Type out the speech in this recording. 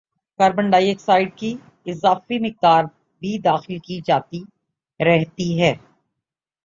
carbon dioxide کی اضافی مقدار بھی داخل کی جاتی رہتی ہے